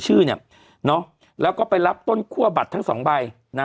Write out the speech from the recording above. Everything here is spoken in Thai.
แล้วก็ไปรับต้นครั่วบัตรทั้ง๒ใบ